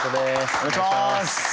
お願いします。